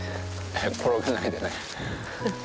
転ばないでね。